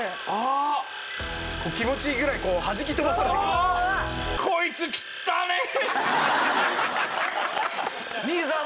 気持ちいいぐらいにこうはじき飛ばされてく。